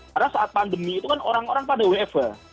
karena saat pandemi itu kan orang orang pada wfa